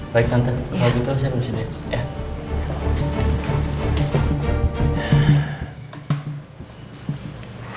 baik tante kalo gitu saya kembali sedikit